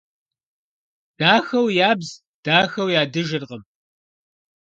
Дахэу ябз дахэу ядыжыркъым.